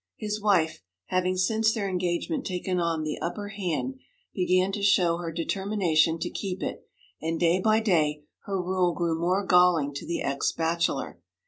His wife, having since their engagement taken the upper hand, began to show her determination to keep it, and day by day her rule grew more galling to the ex bachelor.